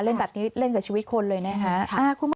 เล่นแบบนี้เล่นกับชีวิตคนเลยนะคะ